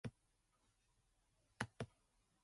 The equation does not imply that and commute.